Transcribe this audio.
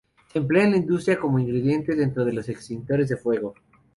Se emplea en la industria como ingrediente dentro de los extintores de fuego.